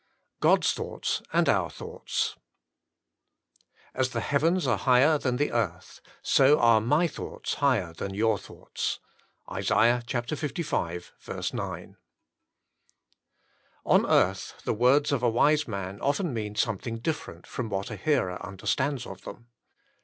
XIV, god's thoughts and our thoughts « As the heavens are higher than the earth, so are my thoughts higher than your thoughts."— Is. Iv. 9. On earth the words of a wise man often mean something different from what a hearer under stands of them.